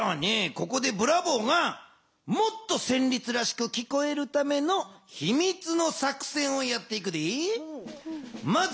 ここでブラボーがもっとせんりつらしくきこえるためのひみつの作戦をやっていくで。